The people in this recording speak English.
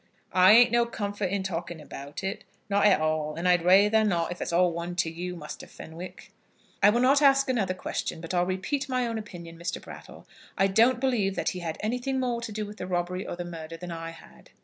"I ain't no comfort in talking about it, not at all, and I'd rayther not, if it's all one to you, Muster Fenwick." "I will not ask another question, but I'll repeat my own opinion, Mr. Brattle. I don't believe that he had anything more to do with the robbery or the murder, than I had."